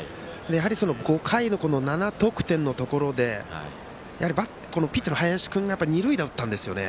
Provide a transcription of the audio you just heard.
５回の７得点のところでピッチャーの林君が二塁打打ったんですよね。